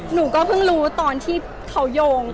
หนูก็เพิ่งรู้ตอนที่เขาโยง